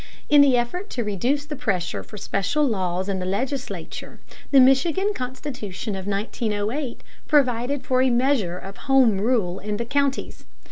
In the effort to reduce the pressure for special laws in the legislature, the Michigan constitution of 1908 provided for a measure of home rule for counties.